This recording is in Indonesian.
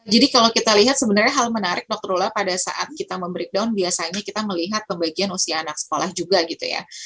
jadi kalau kita lihat sebenarnya hal menarik dr lula pada saat kita memberitahunya biasanya kita melihat pembagian usia anak sekolah juga gitu ya